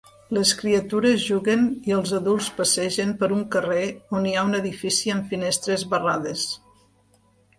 Les criatures juguen i els adults passegen per un carrer on hi ha un edifici amb finestres barrades.